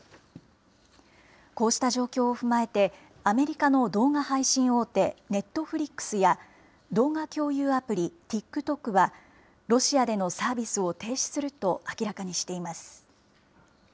こうした状況を踏まえて、アメリカの動画配信大手、ネットフリックスや、動画共有アプリ、ＴｉｋＴｏｋは、ロシアでのサービスを停止すると明らかにしています。